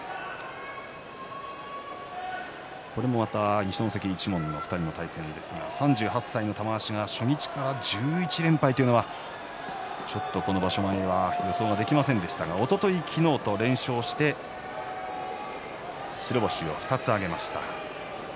これまた二所ノ関一門の２人の対戦ですが３８歳の玉鷲、初日から１１連敗は予想できませんでしたがおととい、昨日と連勝して白星を２つ挙げました。